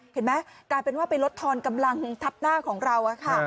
เห็นไหมกลายเป็นว่าเป็นรถธ็อลกำลังตัดหน้าของเรา